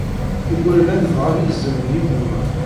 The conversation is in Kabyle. Igerdan bɣan iẓem n yigumma